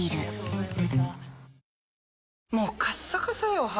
もうカッサカサよ肌。